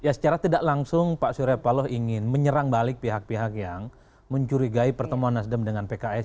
ya secara tidak langsung pak surya paloh ingin menyerang balik pihak pihak yang mencurigai pertemuan nasdem dengan pks